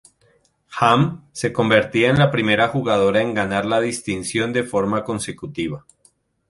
Hamm se convertía en la primera jugadora en ganar la distinción de forma consecutiva.